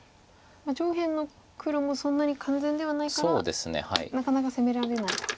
上辺の黒もそんなに完全ではないからなかなか攻められないと。